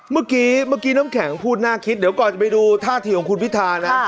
เมื่อกี้เมื่อกี้น้ำแข็งพูดน่าคิดเดี๋ยวก่อนจะไปดูท่าทีของคุณพิธานะ